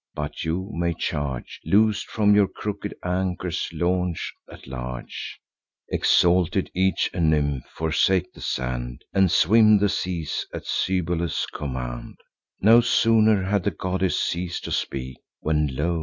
But you, my charge, Loos'd from your crooked anchors, launch at large, Exalted each a nymph: forsake the sand, And swim the seas, at Cybele's command." No sooner had the goddess ceas'd to speak, When, lo!